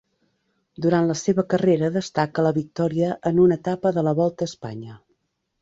Durant la seva carrera destaca la victòria en una etapa de la Volta a Espanya.